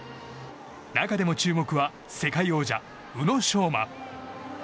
中でも注目は世界王者・宇野昌磨。